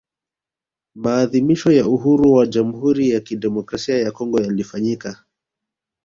Maadhimisho ya uhuru wa Jamhuri ya Kidemokrasia ya Kongo yalifanyika